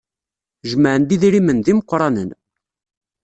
Jemɛen-d idrimen d imeqranen.